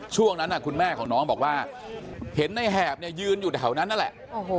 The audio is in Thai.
ช่วงนั้นคุณแม่ของน้องบอกว่าเห็นในแหบเนี่ยยืนอยู่แถวนั้นนั่นแหละ